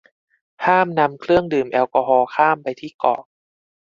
ห้ามนำเครื่องดื่มแอลกอฮอล์ข้ามไปที่เกาะ